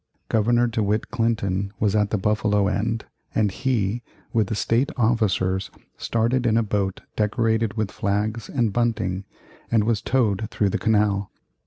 Governor De Witt Clinton was at the Buffalo end, and he, with the State officers, started in a boat decorated with flags and bunting and was towed through the canal.